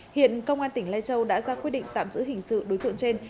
hiện công an tỉnh lai châu đã ra quyết định tạm giữ hình sự đối tượng trên